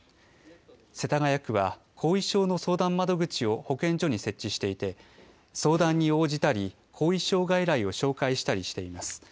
世田谷区は後遺症の相談窓口を保健所に設置していて、相談に応じたり、後遺症外来を紹介したりしています。